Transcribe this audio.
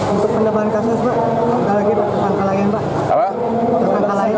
untuk penambahan kasus pak sekali lagi pesangka lain pak